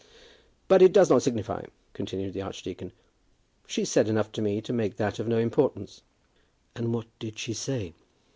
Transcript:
"But it does not signify," continued the archdeacon; "she said enough to me to make that of no importance." "And what did she say?"